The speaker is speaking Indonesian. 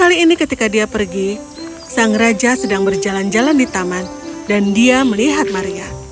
kali ini ketika dia pergi sang raja sedang berjalan jalan di taman dan dia melihat maria